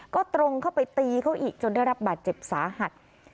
ก็ตรงเข้าไปตีเขาอีกจนได้รับบาดเจ็บสาหัส